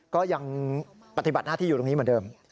ก็ยังปฏิบัติหน้าที่อยู่ตรงนี้เหมือนเดิม